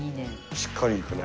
しっかりいくね。